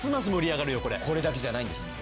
これだけじゃないんです。